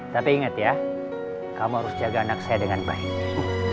tapi ingat ya kamu harus jaga anak saya dengan baik